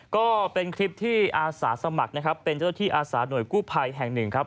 ก็เป็นคลิปที่อาสาสมัครนะครับเป็นเจ้าที่อาสาหน่วยกู้ภัยแห่งหนึ่งครับ